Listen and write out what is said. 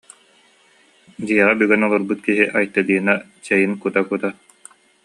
Дьиэҕэ бүгэн олорбут киһи Айталина чэйин кута-кута: